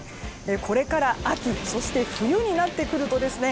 これから秋そして冬になってくるとですね